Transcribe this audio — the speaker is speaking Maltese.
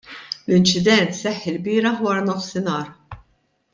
L-inċident seħħ ilbieraħ waranofsinhar.